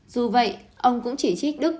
dù vậy ông cũng chỉ trích đức